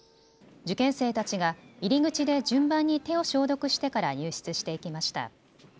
受験生たちが入り口で順番に手を消毒してから入室していきました。